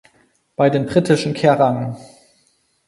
Bei den britischen Kerrang!